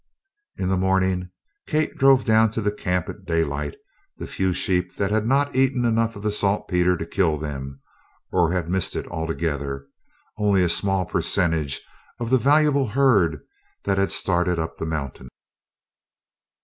In the morning Kate drove down to the camp at daylight the few sheep that had not eaten enough of the saltpeter to kill them, or had missed it altogether only a small percentage of the valuable herd that had started up the mountain.